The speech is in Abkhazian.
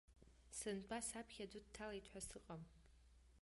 Сынтәа саԥхьа аӡәы дҭалеит ҳәа сыҟам.